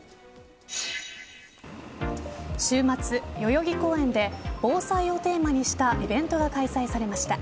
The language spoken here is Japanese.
週末、代々木公園で防災をテーマにしたイベントが開催されました。